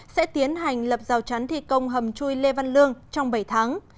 sẽ tiến hành lập rào chắn thi công hầm chui lê văn lương trong bảy tháng